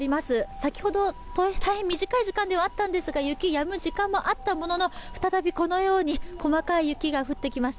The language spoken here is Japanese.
先ほど大変短い時間ではあったんですが、雪やむ時間もあったものの、再びこのように細かい雪が降ってきました。